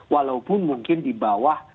walaupun mungkin di bawah